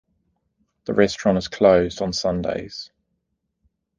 The restaurant is closed on Sundays.